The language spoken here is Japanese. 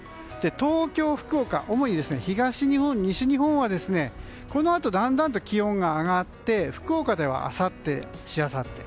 東京、福岡主に東日本、西日本はこのあとだんだんと気温が上がって福岡ではあさってしあさって